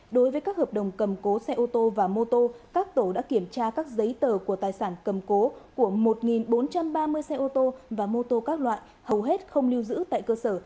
đối với các hợp đồng cầm cố xe ô tô và mô tô các tổ đã kiểm tra các giấy tờ của tài sản cầm cố của một bốn trăm ba mươi xe ô tô và mô tô các loại hầu hết không lưu giữ tại cơ sở